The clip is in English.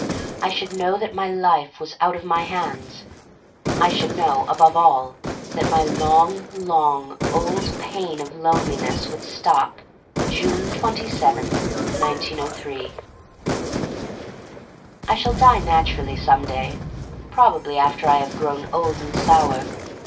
I should know that my life was out of my hands. I should know, above all, that my long, long, old, old pain of loneliness would stop, June twenty seventh, 1903. I shall die naturally some day — prob ably after I have grown old and sour.